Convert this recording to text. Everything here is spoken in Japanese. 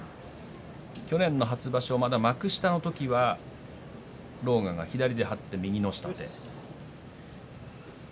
去年の初場所まだ幕下の時は狼雅が左で張って右の下手。